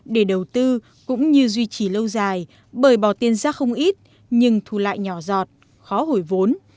để đầu tư cũng như duy trì lâu dài bởi bỏ tiền ra không ít nhưng thu lại nhỏ giọt khó hồi vốn